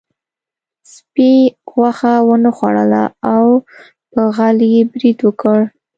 سپي غوښه ونه خوړله او په غل یې برید وکړ.